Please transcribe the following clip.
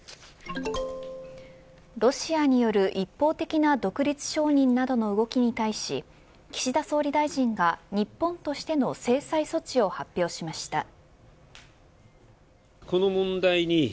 ロシアによる一方的な独立承認などの動きに対し岸田総理大臣が、日本としての制裁措置を発表しました。